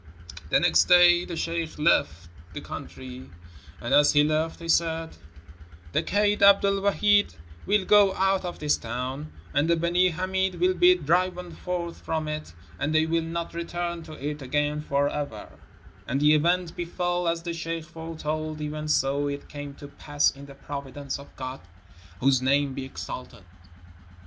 The next day the sheikh left the country; and as he left he said: "The Kaid Abd el Wahid will go out of this town, and the Benee Hameed will be driven forth from it, and they will not return to it again forever"; — and the event befell as the sheikh foretold, even so it came to pass in the providence of God — whose name be exalted.